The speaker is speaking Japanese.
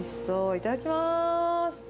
いただきます。